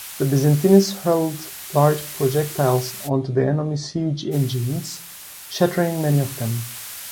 The Byzantines hurled large projectiles onto the enemy siege engines, shattering many of them.